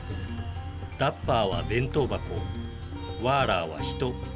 「ダッバー」は弁当箱「ワーラー」は人。